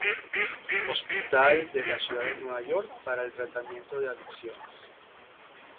Hospital de la ciudad de Nueva York para el tratamiento de adicciones.